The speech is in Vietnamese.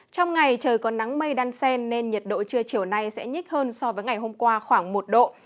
trong ngày trời có nắng mây đan sen nên nhiệt độ trưa chiều nay sẽ nhích hơn so với ngày hôm qua khoảng một độ